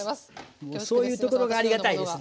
もうそういうところがありがたいですね。